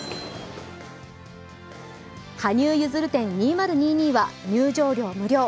羽生結弦展２０２２は入場料無料